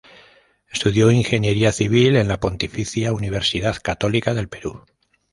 Estudió Ingeniería Civil en la Pontificia Universidad Católica del Perú.